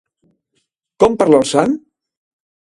Com parla el sant?